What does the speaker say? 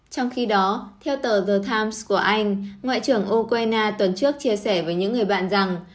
trong khi đó theo tờ the times của anh ngoại trưởng ukraine tuần trước chia sẻ với những người bạn rằng